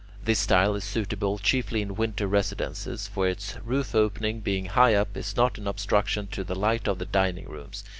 This style is suitable chiefly in winter residences, for its roof opening, being high up, is not an obstruction to the light of the dining rooms.